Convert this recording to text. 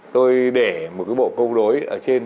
tôi để một cái bộ câu đối ở trên